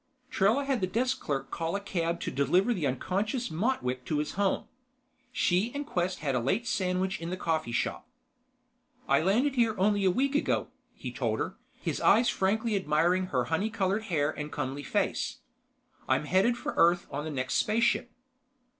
Trella had the desk clerk call a cab to deliver the unconscious Motwick to his home. She and Quest had a late sandwich in the coffee shop. "I landed here only a week ago," he told her, his eyes frankly admiring her honey colored hair and comely face. "I'm heading for Earth on the next spaceship."